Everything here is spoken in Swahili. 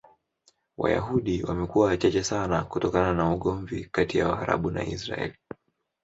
Wayahudi wamekuwa wachache sana kutokana na ugomvi kati ya Waarabu na Israel.